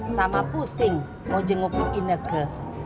sama pusing mau jenguk ineke